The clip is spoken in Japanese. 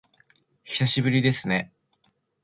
久しぶりですね